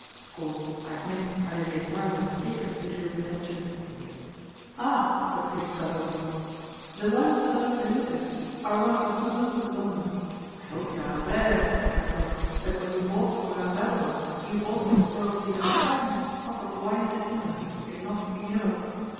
Of course, I admit I may be entirely mistaken as to Jules' intentions.' 'Ah!' said Felix Babylon. 'The wine cellars beneath us are one of the wonders of London. I hope you are aware, Mr Racksole, that when you bought the Grand Babylon you bought what is probably the finest stock of wines in England, if not in Europe.